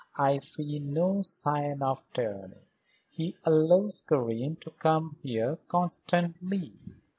"I see no sign of tyranny. He allows Karen to come here constantly."